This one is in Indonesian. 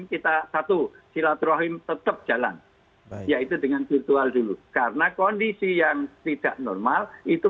kita satu silaturahim tetap jalan yaitu dengan virtual dulu karena kondisi yang tidak normal itu